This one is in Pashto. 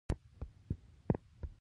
بزګرانو وسلې او نظم نه درلود.